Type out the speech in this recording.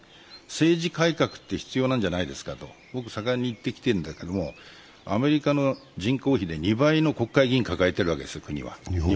政治改革って必要なんじゃないですかと盛んに言っているわけだけれどせアメリカの人口比で２倍の国会議員を日本国は抱えているわけですよ。